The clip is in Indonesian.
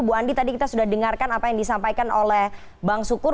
bu andi tadi kita sudah dengarkan apa yang disampaikan oleh bang sukur